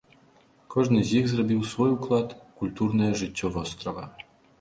Кожны з іх зрабіў свой уклад у культурнае жыццё вострава.